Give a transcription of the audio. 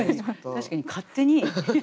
確かに勝手に。